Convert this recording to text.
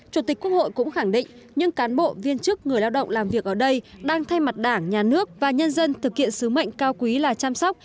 chủ tịch quốc hội cũng khẳng định những cán bộ viên chức người lao động làm việc ở đây đang thay mặt đảng nhà nước và nhân dân thực hiện sứ mệnh cao quý là chăm sóc